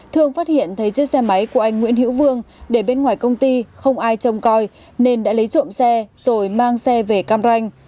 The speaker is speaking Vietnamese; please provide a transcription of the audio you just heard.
thương phát hiện thấy chiếc xe máy của anh nguyễn hữu vương để bên ngoài công ty không ai trông coi nên đã lấy trộm xe rồi mang xe về cam ranh